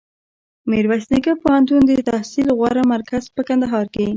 میرویس نیکه پوهنتون دتحصل غوره مرکز په کندهار کي